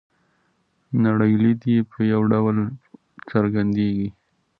نړۍ لید یې په یوه ډول څرګندیږي.